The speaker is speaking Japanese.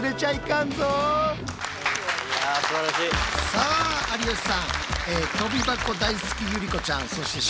さあ有吉さん